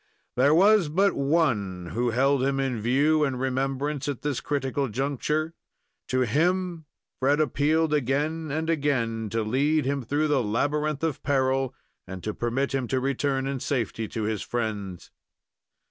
There was but One who held him in view and remembrance at this critical juncture. To Him Fred appealed again and again to lead him through the labyrinth of peril, and to permit him to return in safety to his friends.